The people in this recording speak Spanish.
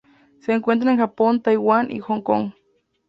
Se encuentra en el Japón Taiwán y Hong Kong.